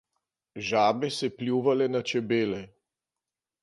Žabe se pljuvale na čebele.